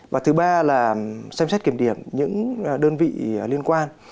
và thứ ba là xem xét kiểm điểm những đơn vị liên quan